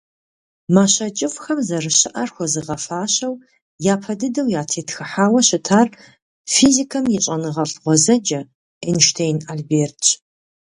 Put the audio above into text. Мащэ кӀыфӀхэм, зэрыщыӀэр хуэзыгъэфащэу, япэ дыдэу ятетхыхьауэ щытар физикэм и щӀэныгъэлӀ гъуэзэджэ Эйнштейн Альбертщ.